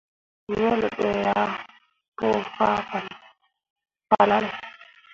Wel ɓe ah pũu fahlalle.